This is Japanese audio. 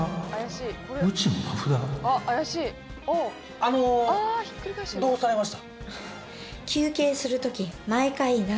あのーどうされました？